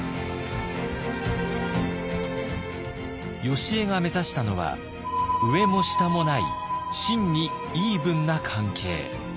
よしえが目指したのは上も下もない真にイーブンな関係。